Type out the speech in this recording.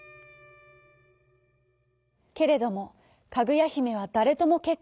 けれどもかぐやひめはだれともけっこんするきはありません。